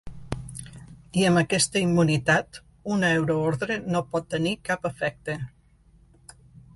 I amb aquesta immunitat, una euroordre no pot tenir cap efecte.